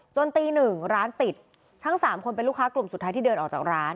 ตีหนึ่งร้านปิดทั้งสามคนเป็นลูกค้ากลุ่มสุดท้ายที่เดินออกจากร้าน